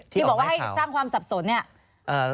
ที่บอกว่าให้สร้างความสับสนเนี่ย